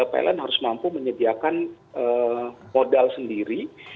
pln harus mampu menyediakan modal sendiri